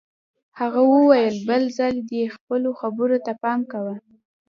هغه وویل بل ځل دې خپلو خبرو ته پام کوه